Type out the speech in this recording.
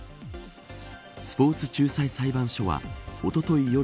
スポーツ仲裁裁判所はおととい